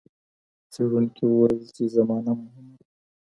څېړونکي وویل چي زمانه مهمه ده.